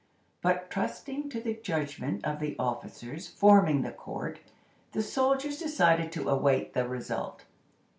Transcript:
But, trusting to the judgment of the officers forming the court, the soldiers decided to await the result.